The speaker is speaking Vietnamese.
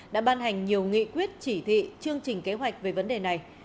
đã ban hành nhiều nghị quyết chỉ thị chương trình kế hoạch về vấn đề này